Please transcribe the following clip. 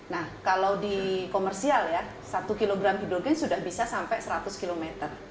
nah kalau di komersial ya satu kg hidrogen sudah bisa sampai seratus km